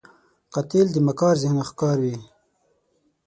قاتل د مکار ذهن ښکار وي